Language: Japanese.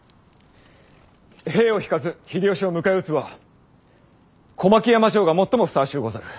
兵を引かず秀吉を迎え撃つは小牧山城が最もふさわしゅうござる。